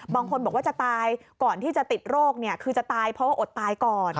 บางคนบอกว่าจะตายก่อนที่จะติดโรคคือจะตายเพราะว่าอดตายก่อน